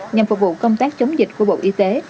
nhằm phục vụ công tác chống dịch của bộ y tế